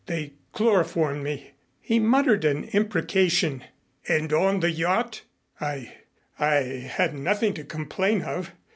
They chloroformed me " He muttered an imprecation. "And on the yacht " "I I had nothing to complain of.